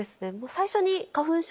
最初に。